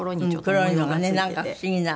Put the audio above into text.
黒いのがねなんか不思議な。